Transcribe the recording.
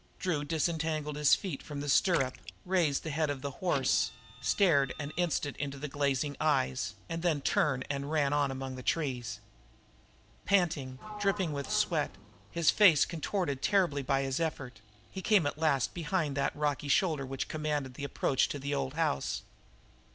Drew disentangled his feet from the stirrup, raised the head of the horse, stared an instant into the glazing eyes, and then turned and ran on among the trees. Panting, dripping with sweat, his face contorted terribly by his effort, he came at last behind that rocky shoulder which commanded the approach to the old house.